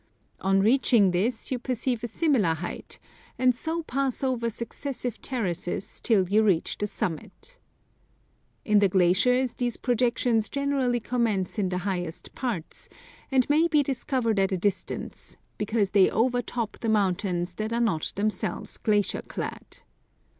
On reaching this you perceive a similar height, and so pass over successive terraces till you reach the summit In the glaciers these projections generally commence in the highest parts, 223 Curiosities of Olden Times and may be discovered at a distance, because they overtop the mountains that are not themselves glacier clad.